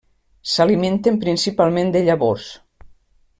S'alimenten principalment de llavors.